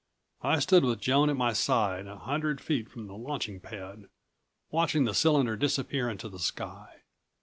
I stood with Joan at my side a hundred feet from the launching pad, watching the cylinder disappear into the sky.